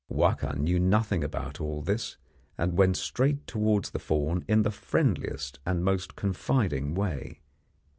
Wahka knew nothing about all this, and went straight towards the fawn in the friendliest and most confiding way.